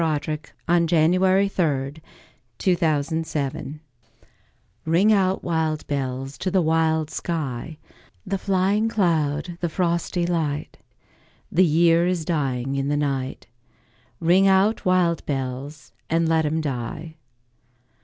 Alfred, Lord Tennyson Ring Out, Wild Bells RING out, wild bells, to the wild sky, The flying cloud, the frosty light; The year is dying in the night; Ring out, wild bells, and let him die.